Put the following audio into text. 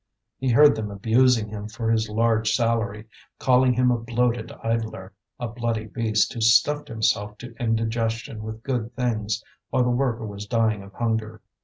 He heard them abusing him for his large salary, calling him a bloated idler, a bloody beast who stuffed himself to indigestion with good things, while the worker was dying of hunger.